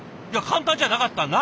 いや簡単じゃなかった。